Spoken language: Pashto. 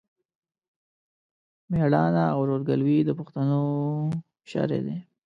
مېړانه او ورورګلوي د پښتنو شری دی.